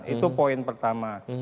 itu poin pertama